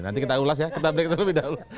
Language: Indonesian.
nanti kita ulas ya kita break dulu